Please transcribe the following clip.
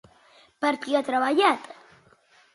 Per qui ha treballat?